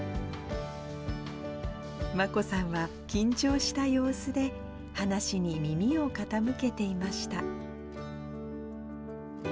眞子さんは緊張した様子で、話に耳を傾けていました。